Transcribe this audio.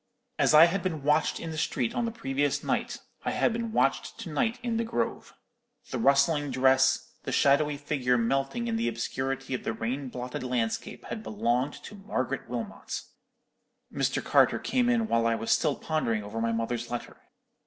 "As I had been watched in the street on the previous night, I had been watched to night in the grove. The rustling dress, the shadowy figure melting in the obscurity of the rain blotted landscape had belonged to Margaret Wilmot! "Mr. Carter came in while I was still pondering over my mother's letter.